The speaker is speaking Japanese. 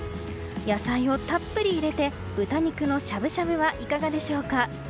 野菜をたっぷり入れて豚肉のしゃぶしゃぶはいかがでしょうか。